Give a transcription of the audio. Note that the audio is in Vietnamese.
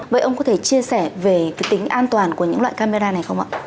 vậy ông có thể chia sẻ về cái tính an toàn của những loại camera này không ạ